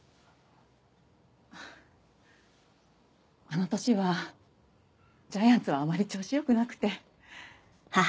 あの年はジャイアンツはあまり調子よくなくて。